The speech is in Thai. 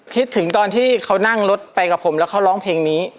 คิดถึงตอนที่เขานั่งรถไปกับผมแล้วเขาร้องเพลงนี้